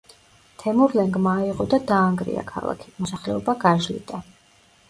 თემურლენგმა აიღო და დაანგრია ქალაქი, მოსახლეობა გაჟლიტა.